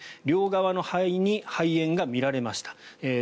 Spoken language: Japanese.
両側の肺に肺炎が見られました。